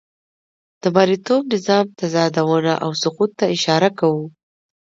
د مرئیتوب نظام تضادونه او سقوط ته اشاره کوو.